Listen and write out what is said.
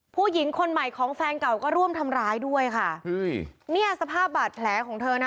ผู้หญิงคนใหม่ของแฟนเก่าก็ร่วมทำร้ายด้วยค่ะเฮ้ยเนี่ยสภาพบาดแผลของเธอนะ